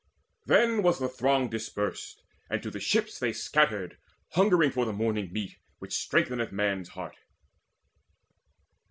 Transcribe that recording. Then was the throng dispersed, and to the ships They scattered hungering for the morning meat Which strengtheneth man's heart.